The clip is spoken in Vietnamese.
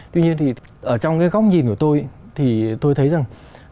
tuy nhiên thì ở trong cái góc nhìn của tôi thì tôi thấy rằng